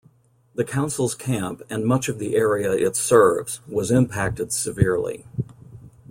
The Council's camp, and much of the area it serves, was impacted severely.